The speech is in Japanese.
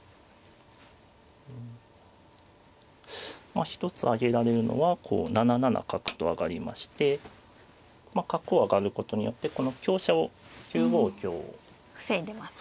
まあ一つ挙げられるのはこう７七角と上がりまして角を上がることによってこの香車を９五香を。防いでますね。